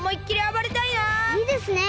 いいですね。